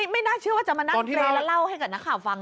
ไม่น่าเชื่อว่าจะมานั่งเพลย์แล้วเล่าให้กับนักข่าวฟัง